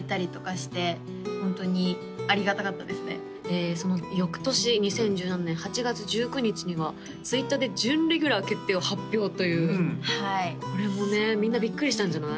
してホントにありがたかったですねその翌年２０１７年８月１９日にはＴｗｉｔｔｅｒで準レギュラー決定を発表というこれもねみんなびっくりしたんじゃない？